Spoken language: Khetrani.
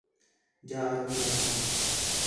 جا آدمی آکھا ہِے